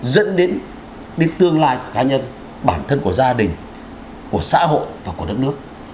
dẫn đến tương lai của cá nhân bản thân của gia đình của xã hội và của đất nước